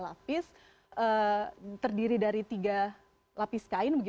masker ini terdiri dari tiga lapis kain